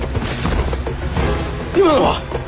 今のは？